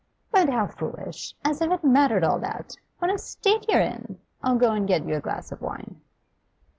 'But how foolish! As if it mattered all that. What a state you're in! I'll go and get you a glass of wine.